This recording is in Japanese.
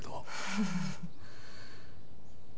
フフフフ。